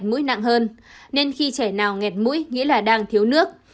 nếu trẻ nào ngẹt mũi nặng hơn nên khi trẻ nào ngẹt mũi nghĩa là đang thiếu nước